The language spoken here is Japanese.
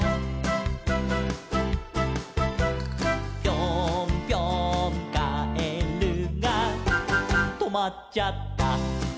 「ぴょんぴょんカエルがとまっちゃった」